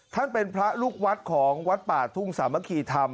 ท่านเป็นพระลูกวัดของวัดป่าทุ่งสามัคคีธรรม